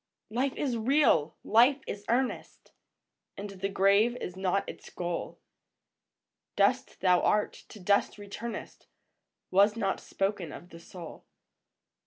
Life is real ! Life is earnest ! And the grave is not its goal ; Dust thou art, to dust returnest, Was not spoken of the soul.